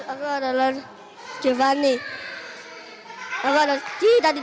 aku adalah giovanni